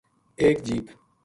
ایک جیپ